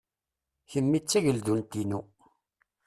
Kemmi d tageldunt-inu.